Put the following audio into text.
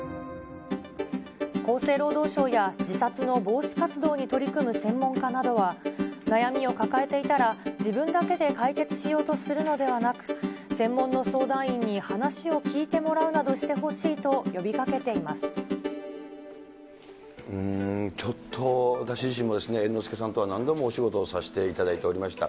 厚生労働省や自殺の防止活動に取り組む専門家などは、悩みを抱えていたら、自分だけで解決しようとするのではなく、専門の相談員に話を聞いてもらうなどしてほしいと、呼びかけていうーん、ちょっと私自身もですね、猿之助さんとは何度もお仕事をさせていただいておりました。